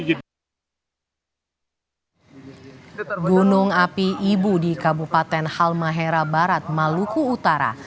gunung api ibu di kabupaten halmahera barat maluku utara